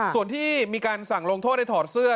ส่วนที่มีการสั่งลงโทษให้ถอดเสื้อ